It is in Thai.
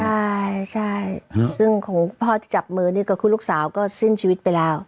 ใช่ใช่ซึ่งของพ่อที่จับมือนี่ก็คือลูกสาวก็สิ้นชีวิตไปแล้ว